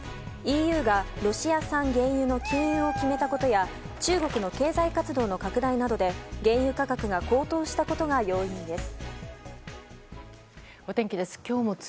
ＥＵがロシア産原油の禁輸を決めたことや中国の経済活動の拡大などで原油価格が高騰したことが要因です。